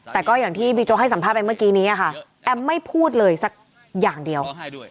แต่ก็อย่างที่บิ๊กโจ๊กให้สัมภาษณ์ไปเมื่อกี้นี้ค่ะแอมไม่พูดเลยสักอย่างเดียว